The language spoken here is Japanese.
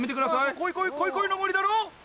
「こいこいの森」だろ？